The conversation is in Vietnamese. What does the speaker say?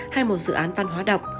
hay một dự án văn hóa đọc